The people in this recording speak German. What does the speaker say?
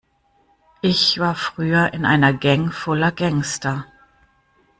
Ich war früher in einer Gang voller Gangster.